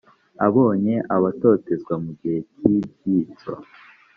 abonye batotezwa mu gihe cy’ibyitso